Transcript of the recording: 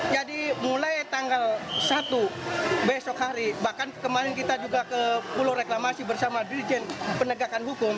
mulai tanggal satu besok hari bahkan kemarin kita juga ke pulau reklamasi bersama dirjen penegakan hukum